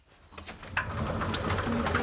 こんにちは。